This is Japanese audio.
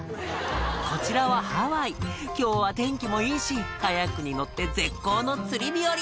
こちらはハワイ「今日は天気もいいしカヤックに乗って絶好の釣り日和」